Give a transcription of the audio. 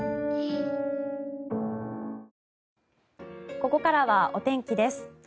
ここからはお天気です。